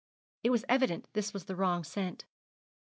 It was evident this was the wrong scent.